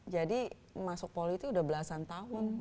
jadi masuk politik udah belasan tahun